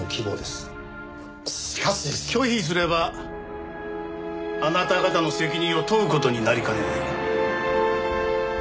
拒否すればあなた方の責任を問う事になりかねないが。